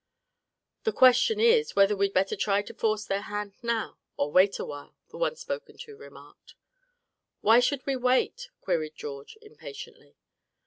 "The question is whether we'd better try to force their hand now, or wait a while," the one spoken to remarked. "Why should we wait?" queried George, impatiently.